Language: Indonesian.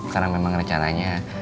karena memang rencananya